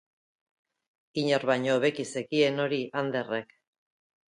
Inork baino hobeki zekien hori Anderrek.